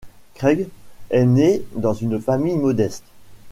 Craig est né dans une famille modeste.